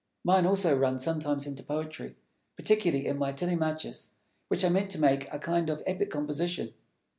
Mine also run sometimes into poetry, particularly in my "Telemachus," which I meant to make a kind of epic composition.